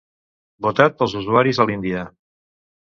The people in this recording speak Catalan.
Votat pels usuaris a l'Índia.